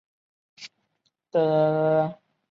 以氢氧化钾倒在菌肉上会出现黄色着色。